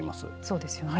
そうですよね。